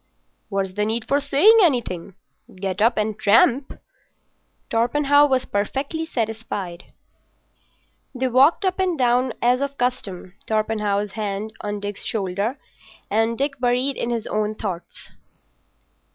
"What's the need for saying anything? Get up and tramp." Torpenhow was perfectly satisfied. They walked up and down as of custom, Torpenhow's hand on Dick's shoulder, and Dick buried in his own thoughts.